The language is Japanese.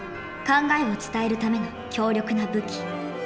考えを伝えるための強力な武器。